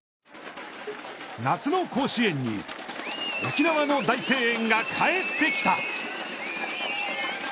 夏の甲子園に沖縄尚学の大声援が帰ってきた。